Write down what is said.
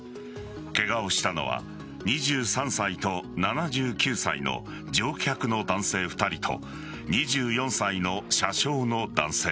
ケガをしたのは２３歳と７９歳の乗客の男性２人と２４歳の車掌の男性。